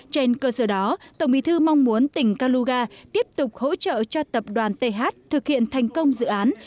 trên cơ sở đó tổng bí thư mong muốn tỉnh kaluga tiếp tục hỗ trợ cho tập đoàn th thực hiện thành công dự án